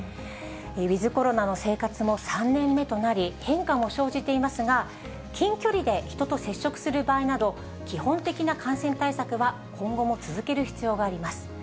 ウィズコロナの生活も３年目となり、変化も生じていますが、近距離で人と接触する場合など、基本的な感染対策は今後も続ける必要があります。